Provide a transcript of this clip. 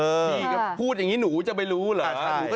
พี่ก็พูดอย่างนี้หนูจะไม่รู้เหรอ